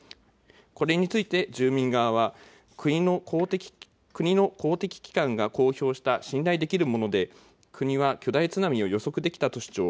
これについて住民側は国の公的機関が公表した信頼できるもので国は巨大津波を予測できたと主張。